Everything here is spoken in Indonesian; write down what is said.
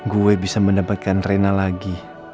gue bisa mendapatkan rena lagi